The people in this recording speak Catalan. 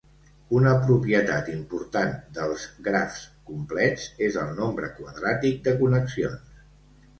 Una propietat important dels grafs complets és el nombre quadràtic de connexions.